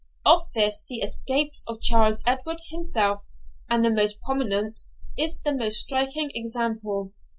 Of this, the escape of Charles Edward himself, as the most prominent, is the most striking example.